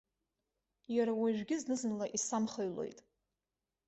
Иара уажәгьы зны-зынла исамхаҩлоит.